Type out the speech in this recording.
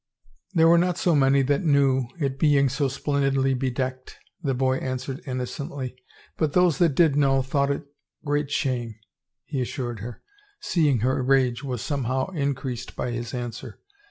" There were not so many that knew, it being so splendidly bedecked," the boy answered innocently, " but those that did know thought it great shame," he assured her, seeing her rage was somehow increased by his answer.